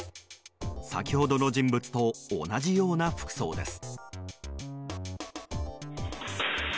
先ほどの人物と同じような服装です。